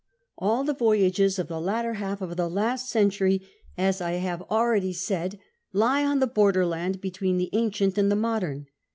All the voyages of the latter half of the last century, as I have already said, lie on the borderland between the ancient and the modern.